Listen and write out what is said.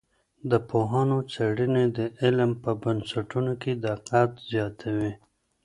د پوهانو څېړنې د علم په بنسټونو کي دقت زیاتوي.